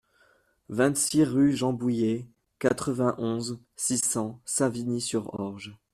vingt-six rue Jean Bouyer, quatre-vingt-onze, six cents, Savigny-sur-Orge